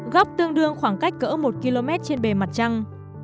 góc tương đương khoảng cách cỡ một km trên bề mặt trăng